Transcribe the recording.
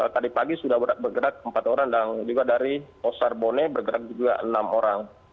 tadi pagi sudah bergerak empat orang dan juga dari osar bone bergerak juga enam orang